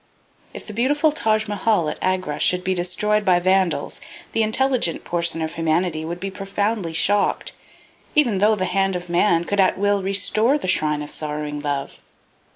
If the beautiful Taj Mehal at Agra should be destroyed by vandals, the intelligent portion of humanity would be profoundly shocked, even though the hand of man could at will restore the shrine of sorrowing love.